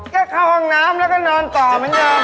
ก็เข้าห้องน้ำแล้วก็นอนต่อเหมือนเดิม